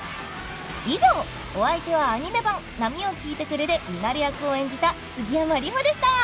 以上お相手はアニメ版『波よ聞いてくれ』でミナレ役を演じた杉山里穂でした